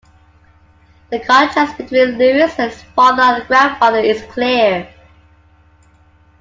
The contrast between Louis and his father and grandfather is clear.